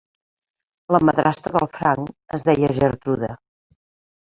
La madrastra del Frank es deia Gertrude.